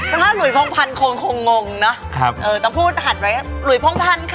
เอ้ยเออถ้าหลุยพองพันคงงงเนอะต้องพูดหัดไว้หลุยพองพันค่ะ